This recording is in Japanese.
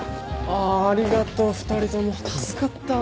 あありがとう２人とも助かったわ。